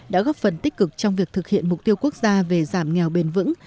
đã góp phần tích cực trong việc thực hiện mục tiêu quốc gia về giảm nghèo bền vững